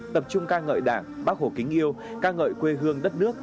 tập trung ca ngợi đảng bác hồ kính yêu ca ngợi quê hương đất nước